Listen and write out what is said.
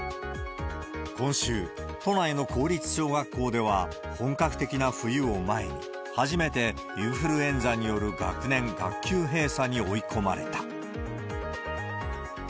今週、都内の公立小学校では本格的な冬を前に、初めてインフルエンザによる学年、学級閉鎖に追い込まれた。